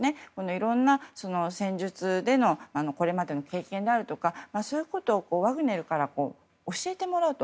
いろんな戦術でのこれまでの経験だとかそういうことをワグネルから教えてもらうと。